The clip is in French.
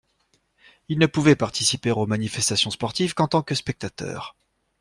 Il ne pouvait participer aux manifestations sportives qu’en tant que spectateur.